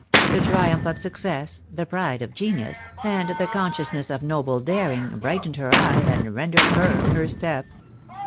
The triumph of success, the pride of genius, and the consciousness of noble daring, bright ened her eye, and rendered firm her step.